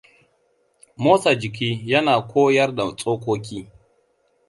Motsa jiki yana koyar da tsokoki.